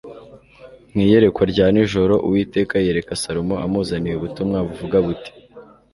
mu iyerekwa rya nijoro uwiteka yiyereka salomo amuzaniye ubutumwa buvuga buti